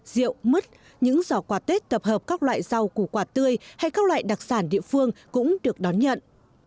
rượu mứt những giỏ quà tết tập hợp các loại rau củ quả tươi hay các loại đặc sản địa phương cũng được đón nhận